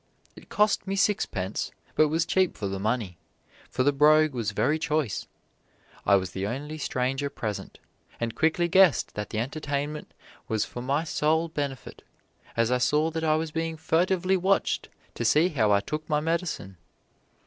It cost me sixpence, but was cheap for the money, for the brogue was very choice. I was the only stranger present, and quickly guessed that the entertainment was for my sole benefit, as I saw that I was being furtively watched to see how I took my medicine.